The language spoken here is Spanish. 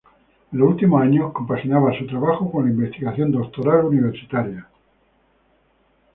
En los últimos años compaginaba su trabajo con la investigación doctoral universitaria.